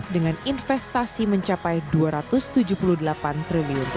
dengan investasi mencapai rp dua ratus tujuh puluh delapan triliun